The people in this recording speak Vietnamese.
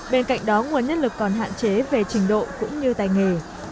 bên cạnh đó nguồn nhân lực còn hạn chế về trình độ cũng như tài nghề